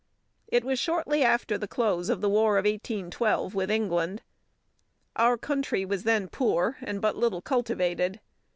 ] It was shortly after the close of the War of 1812 with England. Our country was then poor and but little cultivated.